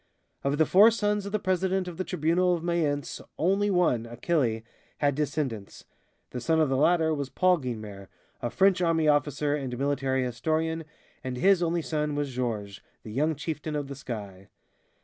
Of the four sons of the president of the Tribunal of Mayence, only one, Achille, had descendants. The son of the latter was Paul Guynemer, a French army officer and military historian, and his only son was Georges, the young chieftain of the sky.